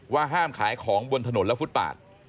ห้ามขายของบนถนนและฟุตปาด